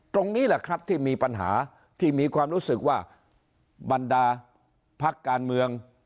ตรงนี้แหละครับที่มีปัญหาที่มีความรู้สึกว่าบรรดาพักการเมือง